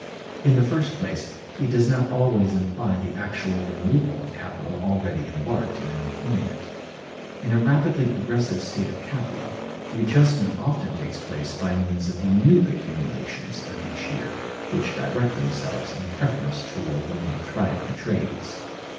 In the first place, it does not always imply the actual removal of capital already embarked in an employment. In a rapidly progressive state of capital, the adjustment often takes place by means of the new accumulations of each year, which direct themselves in preference toward the more thriving trades.